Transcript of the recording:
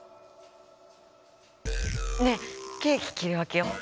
ねっケーキ切り分けよう？